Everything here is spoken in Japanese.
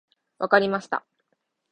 分かりました。